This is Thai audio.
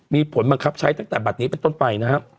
มีผลบังคับใช้ตั้งแต่บัตรนี้เป็นต้นไปนะครับ